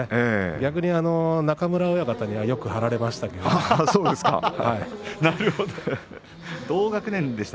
逆に中村親方にはよく張られてしまいました。